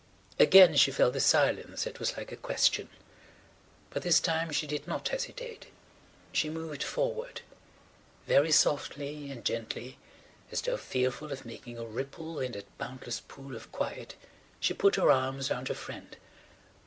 Again she felt the silence that was like a question. But this time she did not hesitate. She moved forward. Very softly and gently, as though fearful of making a ripple in that boundless pool of quiet she put her arms round her friend.